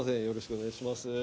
よろしくお願いします